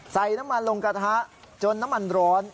ใส่น้ำมันลงกระทะจนน้ำมันร้อน